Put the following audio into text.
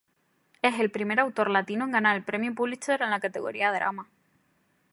Es el primer autor latino en ganar el Premio Pulitzer en la categoría drama.